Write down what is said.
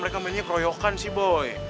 kami ini kroyokan sih boy